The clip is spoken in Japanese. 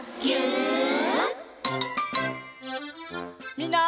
みんな。